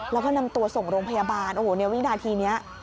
แล้วก็นำตัวส่งโรงพยาบาลโอ้โหในวินาทีนี้